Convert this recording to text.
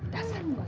dasar ibu ibu